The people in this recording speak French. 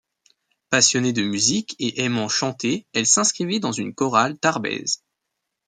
Passionnée de musique et aimant chanter elle s'inscrivit dans une chorale tarbaise.